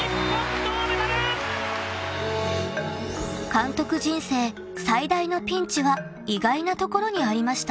［監督人生最大のピンチは意外なところにありました］